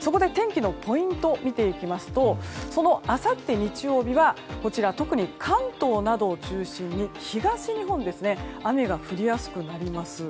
そこで天気のポイント見ていきますとそのあさって日曜日は特に関東などを中心に東日本で雨が降りやすくなります。